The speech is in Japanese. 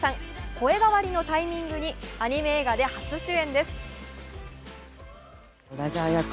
声変わりのタイミングにアニメ映画で初主演です。